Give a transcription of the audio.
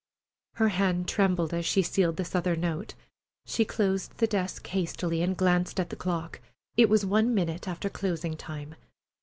Her hand trembled as she sealed this other note. She closed the desk hastily and glanced at the clock. It was one minute after closing time.